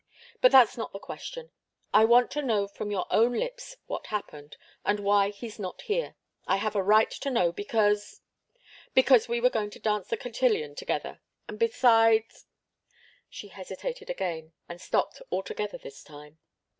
But that's not the question. I want to know from your own lips what happened and why he's not here. I have a right to know because because we were going to dance the cotillion together and besides " She hesitated again, and stopped altogether this time.